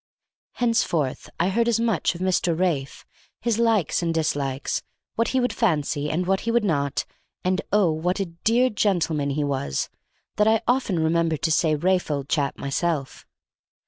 Henceforth I heard as much of "Mr. Ralph," his likes and dislikes, what he would fancy and what he would not, and oh, what a dear gentleman he was, that I often remembered to say "Ralph, old chap," myself.